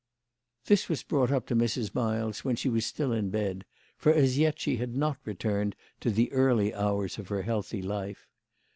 This was brought up to Mrs. Miles when she was still in bed, for as yet she had not returned to the early hours of her healthy life.